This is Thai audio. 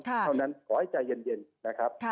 เพราะฉะนั้นขอให้ใจเย็นนะครับ